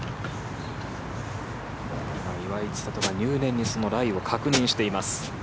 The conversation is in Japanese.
岩井千怜が入念にライを確認しています。